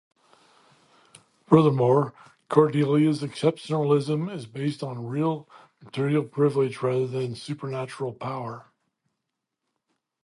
Furthermore, Cordelia's exceptionalism is based on 'real' material privilege rather than supernatural power.